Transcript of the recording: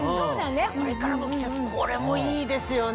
これからの季節これもいいですよね。